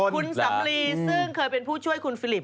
คุณสำลีซึ่งเคยเป็นผู้ช่วยคุณฟิลิป